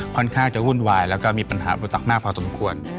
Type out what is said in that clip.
ค่อนข้างจะวุ่นวายแล้วก็มีปัญหาอุปสรรคมากพอสมควร